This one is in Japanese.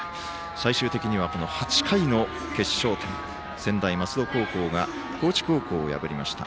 最終的には８回の決勝点専大松戸高校が高知高校を破りました。